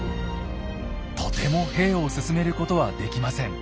とても兵を進めることはできません。